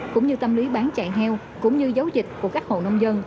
cũng như tâm lý bán chạy heo cũng như giấu dịch của các hộ nông dân